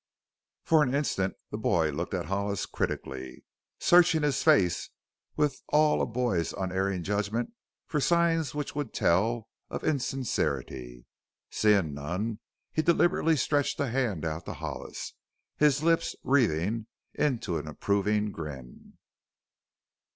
For an instant the boy looked at Hollis critically, searching his face with all a boy's unerring judgment for signs which would tell of insincerity. Seeing none, he deliberately stretched a hand out to Hollis, his lips wreathing into an approving grin.